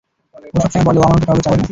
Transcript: ও সবসময় বলে, ও আমার মতো কাউকে চায়ই না।